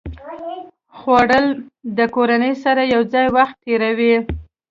خوړل د کورنۍ سره یو ځای وخت تېروي